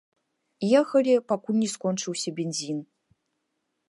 Ехалі, пакуль не скончыўся бензін.